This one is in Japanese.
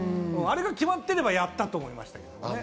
あれが決まってれば、やったと思いました。